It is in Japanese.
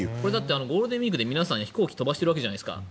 ゴールデンウィークで皆さん飛行機飛ばしてるわけじゃないですか。